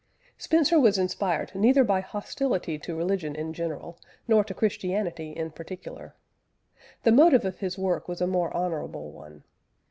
Spencer was inspired neither by hostility to religion in general, nor to Christianity in particular. The motive of his work was a more honourable one.